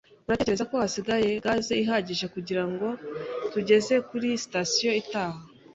Uratekereza ko hasigaye gaze ihagije kugirango tugere kuri sitasiyo itaha?